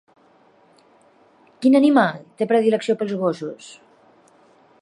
Quin animal té predilecció pels gossos?